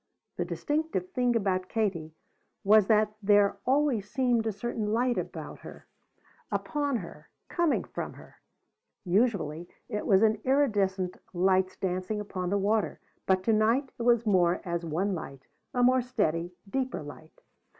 The distinctive thing about Katie was that there always seemed a certain light about her, upon her, coming from her. Usually it was as iridescent lights dancing upon the water; but to night it was more as one light, a more steady, deeper light.